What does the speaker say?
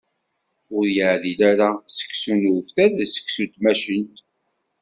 Ur yeɛdil ara seksu n uftal d seksu n tmacint.